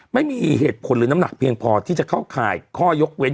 ไม่มีเหตุผลหรือน้ำหนักเพียงพอที่จะเข้าข่ายข้อยกเว้น